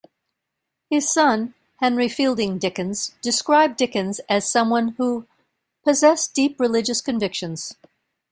His son, Henry Fielding Dickens, described Dickens as someone who "possessed deep religious convictions".